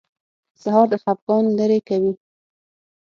سهار د خفګان لرې کوي.